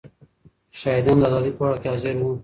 شاهدان د ازادۍ په وخت کې حاضر وو.